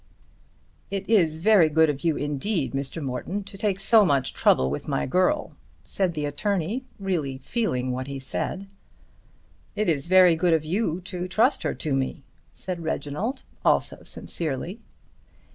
"It is very good of you indeed, Mr. Morton, to take so much trouble with my girl," said the attorney, really feeling what he said. "It is very good of you to trust her to me," said Reginald, also sincerely.